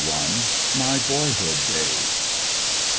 MY BOYHOOD DAYS.